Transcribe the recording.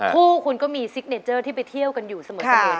คู่คุณก็มีสิกเนเจอร์ที่ไปเที่ยวกันอยู่เสมอเท่าไหร่ค่ะ